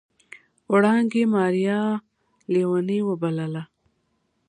وړانګې ماريا ليونۍ وبلله.